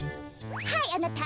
はいあなた。